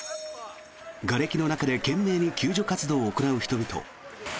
がれきの中で懸命に救助活動を行う人々。